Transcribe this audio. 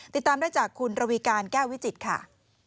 ติดตามได้จากคุณระวีการแก้ววิจิตรค่ะ